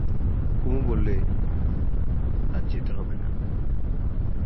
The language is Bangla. কুমু বললে, আজ যেতে হবে না।